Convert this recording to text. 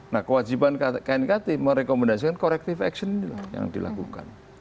nah kewajiban knkt merekomendasikan corrective action yang dilakukan